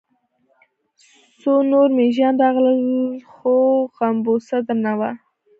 څو نور مېږيان راغلل، خو غومبسه درنه وه.